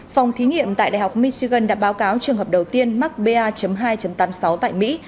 phòng thí nghiệm tại đại học michigan đã báo cáo trường hợp đầu tiên mắc ba hai tám mươi sáu tại mỹ